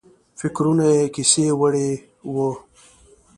فکرونه یې کیسې وړي وو.